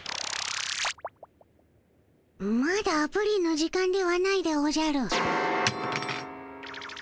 まだプリンの時間ではないでおじゃる。